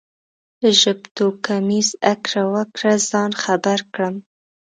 له ژبتوکمیز اکر و کره ځان خبر کړم.